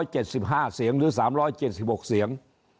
หรือ๓๗๕เสียง